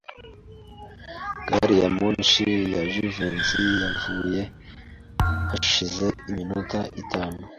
Gari ya moshi ya Jivency yavuye hashize iminota itanu.